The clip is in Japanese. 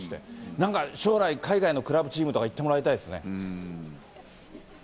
なんか将来、海外のクラブチームとか行ってもらいたいですね。